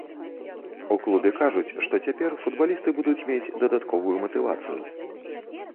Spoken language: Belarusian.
У клубе кажуць, што цяпер футбалісты будуць мець дадатковую матывацыю.